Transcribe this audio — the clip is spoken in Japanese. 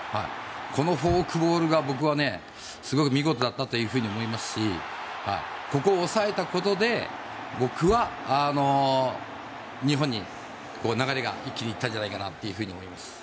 このフォークボールが僕はすごく見事だったと思いますしここを抑えたことで僕は日本に流れが一気に行ったんじゃないかと思います。